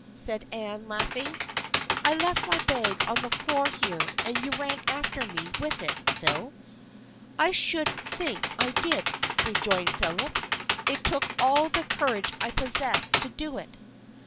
said Anne, laughing. " I left my bag on the floor here and you ran after me with it, Phil." " I should think I did," rejoined Philip. " It took all the courage I possessed to do it."